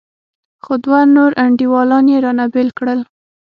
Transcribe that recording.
خو دوه نور انډيوالان يې رانه بېل کړل.